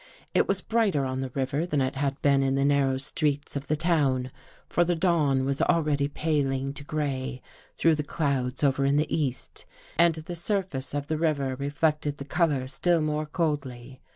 It was brighter on the river than it had been in the narrow streets of the town, for the dawn was already paling to gray through the clouds over in the east and the surface of the river reflected the color still more coldly.